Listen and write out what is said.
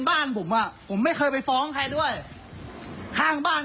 บ้านคุณไม่ได้เลี้ยงหมาเหรอ